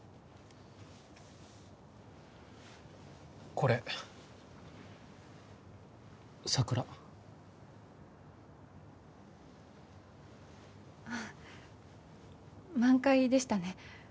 これ桜あ満開でしたね